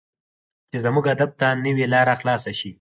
چې زموږ ادب ته نوې لار خلاصه شي.